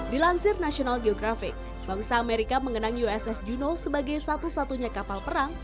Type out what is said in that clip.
dilansir national geographic bangsa amerika mengenang uss genew sebagai satu satunya kapal perang